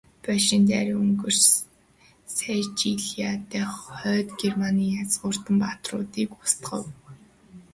Польшийг дайран өнгөрч, Сайлижиа дахь Хойд Германы язгууртан баатруудыг устгав.